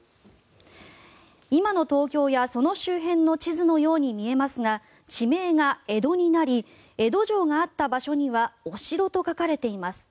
今の東京やその周辺の地図のように見えますが地名が江戸になり江戸城があった場所には御城と書かれています。